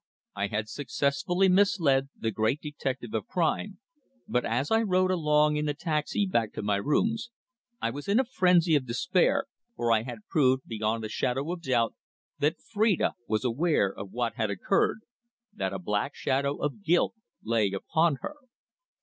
I had successfully misled the great detective of crime, but as I rode along in the taxi back to my rooms, I was in a frenzy of despair, for I had proved beyond a shadow of doubt that Phrida was aware of what had occurred that a black shadow of guilt lay upon her.